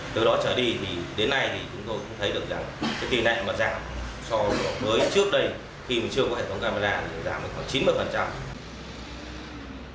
từ đó trở đi đến nay chúng tôi thấy được rằng cái kỳ nạn mà giảm so với trước đây khi mình chưa có hệ thống camera giảm được khoảng chín mươi